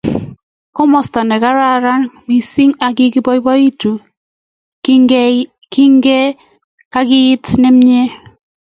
Komasta ne kararan mising ak kikiboiboitu kengen kakeit nemie